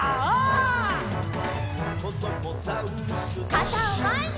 かたをまえに！